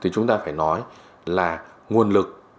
chúng ta phải nói là nguồn lực